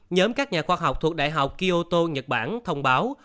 nhóm các nhà khoa học thuộc đại học kioto nhật bản thông báo